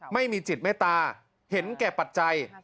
ไม่มีจิตเมตตาเห็นแก่ปัจจัย